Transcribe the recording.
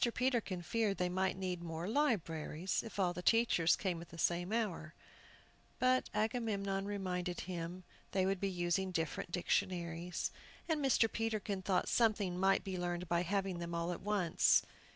Peterkin feared they might need more libraries, if all the teachers came at the same hour; but Agamemnon reminded him that they would be using different dictionaries. And Mr. Peterkin thought something might be learned by having them all at once.